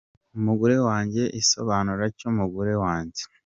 Umugore wanjye, igisobanuro cy’umugore nyawe !